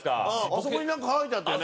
あそこになんか書いてあったね。